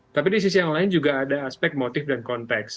tapi di sisi yang lain juga ada aspek motif dan konteks